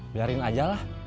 biarin aja lah